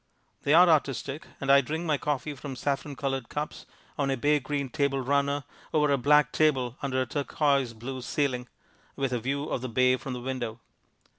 They are artistic and I drink my coffee from saffron colored cups on a bay green table runner over a black table under a turquoise blue ceiling with a view of the bay from the window.